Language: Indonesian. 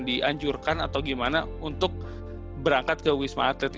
dianjurkan atau gimana untuk berangkat ke wisma atlet